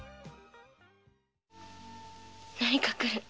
何か来る。